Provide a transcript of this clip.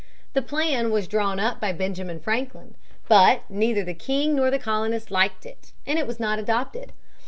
The plan was drawn up by Benjamin Franklin. But neither the king nor the colonists liked it, and it was not adopted.